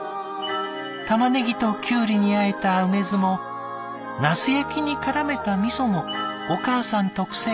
玉ねぎとキュウリにあえた梅酢もナス焼きにからめたみそもお母さん特製。